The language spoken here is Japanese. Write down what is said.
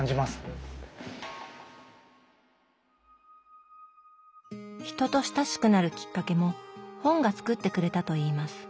人と親しくなるきっかけも本がつくってくれたといいます。